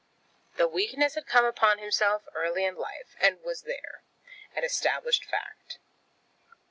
The weakness had come upon himself early in life, and was there, an established fact.